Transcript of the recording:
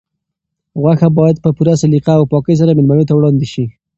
غوښه باید په پوره سلیقه او پاکۍ سره مېلمنو ته وړاندې شي.